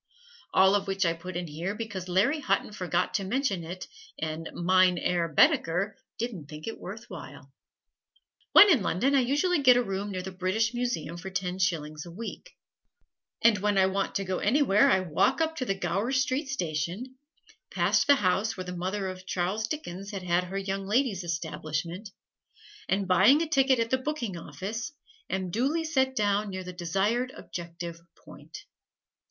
All of which I put in here because Larry Hutton forgot to mention it and Mein Herr Baedeker didn't think it worth while. When in London I usually get a room near the British Museum for ten shillings a week; and when I want to go anywhere I walk up to the Gower Street Station, past the house where the mother of Charles Dickens had her Young Ladies' Establishment, and buying a ticket at the "Booking Office" am duly set down near the desired objective point.